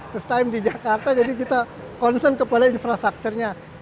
first time di jakarta jadi kita concern kepada infrastrukturnya